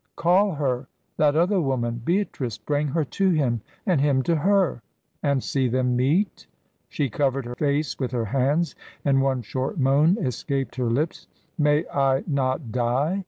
"Call her that other woman Beatrice. Bring her to him, and him to her." "And see them meet!" She covered her face with her hands, and one short moan escaped her lips. "May I not die?"